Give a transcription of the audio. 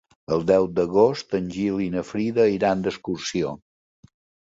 El deu d'agost en Gil i na Frida iran d'excursió.